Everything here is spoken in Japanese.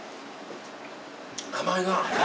甘いな。